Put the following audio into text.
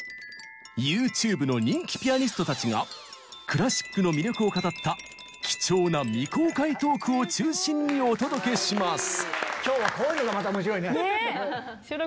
ＹｏｕＴｕｂｅの人気ピアニストたちがクラシックの魅力を語った貴重な未公開トークを中心にお届けします。